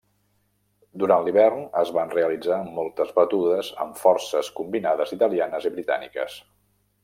Durant l'hivern es van realitzar moltes batudes amb forces combinades italianes i britàniques.